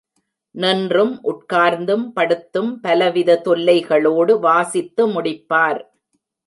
நின்றும், உட்கார்ந்தும், படுத்தும் பல வித தொல்லைகளோடு வாசித்து முடிப்பார்.